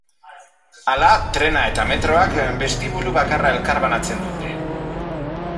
Hala, trena eta Metroak bestibulu bakarra elkarbanatzen dute.